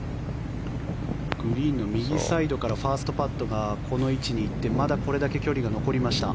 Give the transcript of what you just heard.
グリーンの右サイドからファーストパットがこの位置に行ってまだこれだけ距離が残りました。